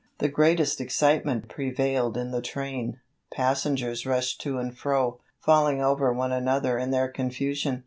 The greatest excitement prevailed in the train. Passengers rushed to and fro, falling over one another in their confusion.